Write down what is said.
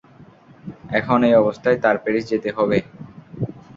এখন এই অবস্থায় তার প্যারিস যেতে হবে!